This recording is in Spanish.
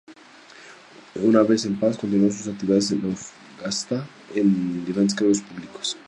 Una vez en paz, continuo sus actividades en Antofagasta, en diferentes cargos públicos.